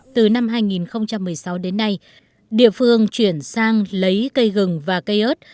từ năm hai nghìn một mươi sáu đến nay địa phương chuyển sang lấy cây gừng và cây ớt